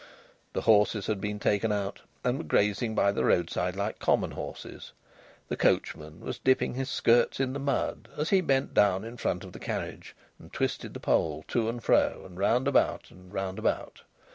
The horses had been taken out, and were grazing by the roadside like common horses. The coachman was dipping his skirts in the mud as he bent down in front of the carriage and twisted the pole to and fro and round about and round about.